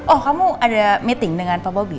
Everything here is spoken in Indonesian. oh kamu ada meeting dengan pak bobby